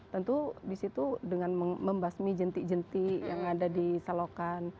tentu di situ dengan membasmi jentik jentik yang ada di selokan